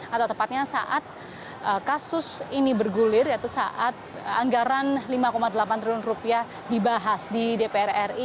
atau tepatnya saat kasus ini bergulir yaitu saat anggaran lima delapan triliun rupiah dibahas di dpr ri